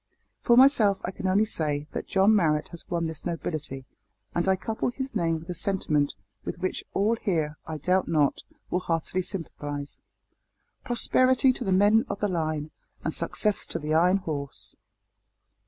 "For myself I can only say that John Marrot has won this nobility, and I couple his name with a sentiment with which all here, I doubt not, will heartily sympathise. Prosperity to the men of the line, and success to the Iron Horse!"